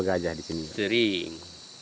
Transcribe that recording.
gajah disini sering